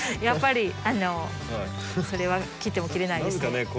やっぱりそれは切っても切れないですね。